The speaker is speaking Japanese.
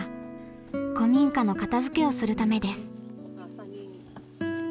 古民家の片づけをするためです。